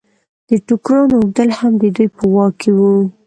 د ټوکرانو اوبدل هم د دوی په واک کې وو.